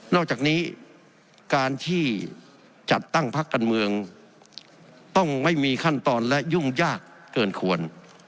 อกจากนี้การที่จัดตั้งพักการเมืองต้องไม่มีขั้นตอนและยุ่งยากเกินควร